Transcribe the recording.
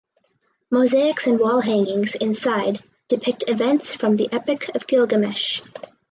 Mosaics and wall hangings inside depict events from the Epic of Gilgamesh.